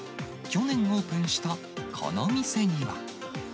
去年オープンしたこの店には。